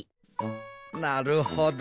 なるほど。